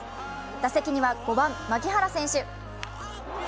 打席には５番・牧原選手。